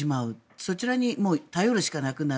そちらに頼るしかなくなる。